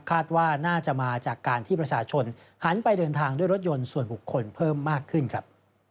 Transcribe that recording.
คาดว่าน่าจะมาจากการที่ประชาชนหันไปเดินทางด้วยรถยนต์ส่วนบุคคลเพิ่มมากขึ้นครับ